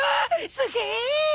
すげえ！